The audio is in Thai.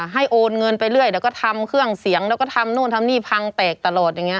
โอนเงินไปเรื่อยเดี๋ยวก็ทำเครื่องเสียงแล้วก็ทำนู่นทำนี่พังแตกตลอดอย่างนี้